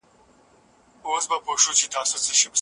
د کشمکشونو پر مهال بايد ملي ګټي په پام کي ونيول سي.